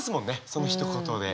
そのひと言で。